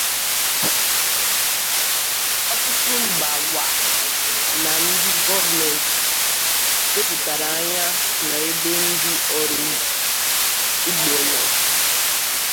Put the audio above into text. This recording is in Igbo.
Otụtụ mba ụwa na ndi gọọmentị wepụtara anya na ebe ndi ọrụ ugbo nọ.